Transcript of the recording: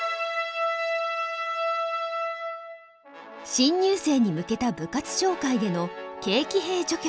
新入生に向けた部活紹介での「軽騎兵」序曲。